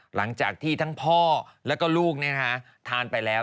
หลังจากที่ทั้งพ่อแล้วก็ลูกทานไปแล้ว